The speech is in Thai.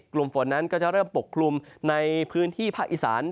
กลุ่มฝนนั้นก็จะเริ่มปกคลุมในพื้นที่ภาคอีสาน